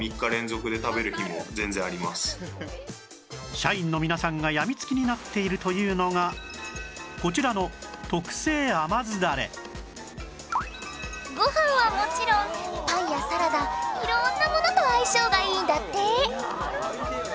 社員の皆さんが病み付きになっているというのがこちらのご飯はもちろんパンやサラダ色んなものと相性がいいんだって。